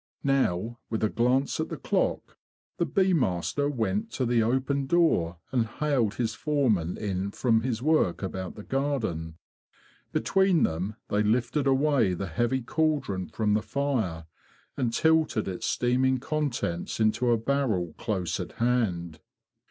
Now, with a glance at the clock, the bee master went to the open door and hailed his foreman in from his work about the garden. Between them they lifted away the heavy caldron from the fire, and tilted its steaming contents into a barrel close at hand.